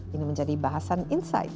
ini menjadi bahasan insight